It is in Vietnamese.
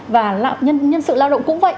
và nhân sự lao động cũng vậy